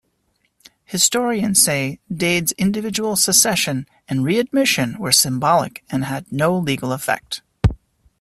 Historians say Dade's individual secession and readmission were symbolic and had no legal effect.